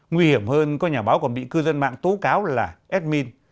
nguy hiểm hơn có nhà báo còn bị cư dân mạng tố cáo là admin